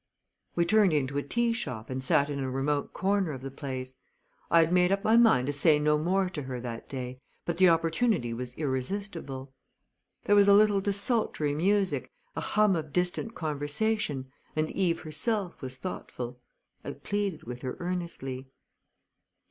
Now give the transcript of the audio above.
We turned into a tea shop and sat in a remote corner of the place. I had made up my mind to say no more to her that day, but the opportunity was irresistible. There was a little desultory music, a hum of distant conversation, and Eve herself was thoughtful. I pleaded with her earnestly.